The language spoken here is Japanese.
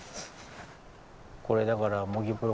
これだから茂木